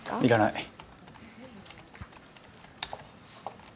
いらない。